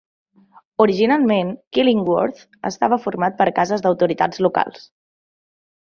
Originalment, Killingworth estava format per cases d'autoritats locals.